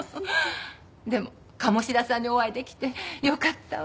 でも鴨志田さんにお会い出来てよかったわ。